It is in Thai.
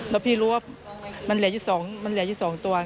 แล้วพี่รู้ว่ามันเหลียดอยู่๒ตัว